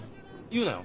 言うなよ